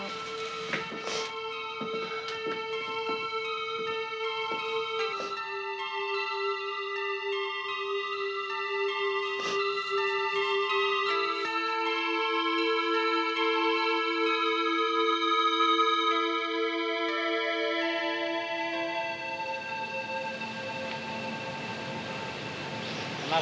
urusan pak ooyong sampai seluas ini